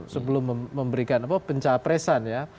sebelum memberikan pencapresan ya